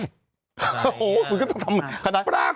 โอ้โหมึงก็จะทำอะไร